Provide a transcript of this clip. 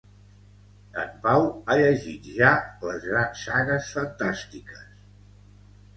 En Pau ha llegit ja les grans sagues fantàstiques.